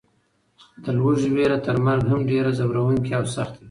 د لوږې وېره تر مرګ هم ډېره ځوروونکې او سخته وي.